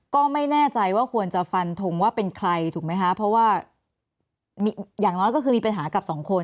ก็ไม่แน่ใจว่าควรจะฟันทงว่าเป็นใครถูกไหมคะเพราะว่าอย่างน้อยก็คือมีปัญหากับสองคน